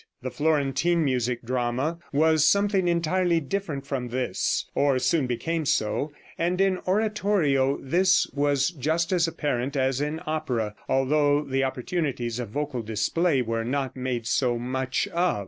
The Florentine music drama was something entirely different from this, or soon became so, and in oratorio this was just as apparent as in opera, although the opportunities of vocal display were not made so much of.